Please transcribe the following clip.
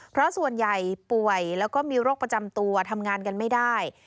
เพราะส่วนใหญ่ป่วยแล้วก็มีโรคประจำตัวทำงานกันไม่ได้